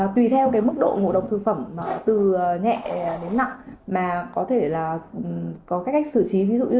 tùy theo mức độ ngộ độc thực phẩm từ nhẹ đến nặng có thể có cách xử trí